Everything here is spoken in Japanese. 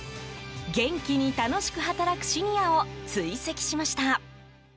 元気に楽しく働くシニアを追跡しました。